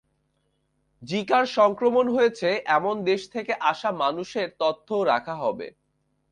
জিকার সংক্রমণ হয়েছে এমন দেশ থেকে আসা মানুষের তথ্যও রাখা হবে।